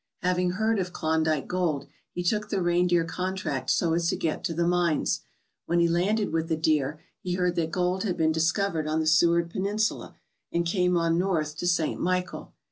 Having heard of Klondike gold, he took the reindeer contract so as to get to the mines. When he landed with the deer he heard that gold had been discovered on the Seward Peninsula and came on north to St. Michael.